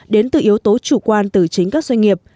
đến từ yếu tố chủ quan từ chính các doanh nghiệp